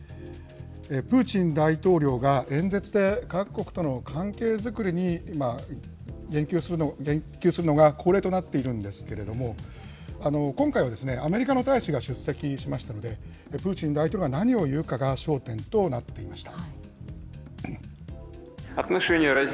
プーチン大統領が演説で、各国との関係作りに言及するのが恒例となっているんですけれども、今回は、アメリカの大使が出席しましたので、プーチン大統領が何を言うかが焦点となっていました。